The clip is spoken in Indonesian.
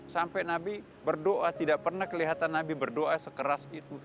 sampai nabi berdoa tidak pernah kelihatan nabi berdoa sekeras itu